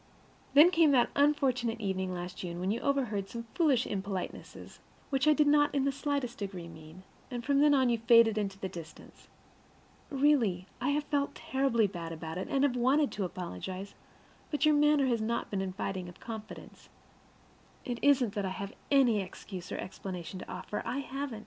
And then came that unfortunate evening last June when you overheard some foolish impolitenesses, which I did not in the slightest degree mean; and from then on you faded into the distance. Really, I have felt terribly bad about it, and have wanted to apologize, but your manner has not been inviting of confidence. It isn't that I have any excuse or explanation to offer; I haven't.